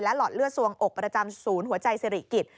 หลอดเลือดสวงอกประจำศูนย์หัวใจสิริกิจ